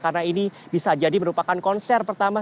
karena ini bisa jadi merupakan konser pertama